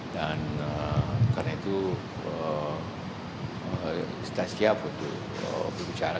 dan karena itu kita siap untuk berbicara